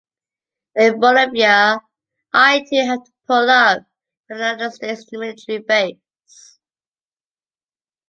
In Bolivia I too have to put up with a United States military base.